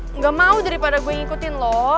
enggak mau daripada gue ngikutin loh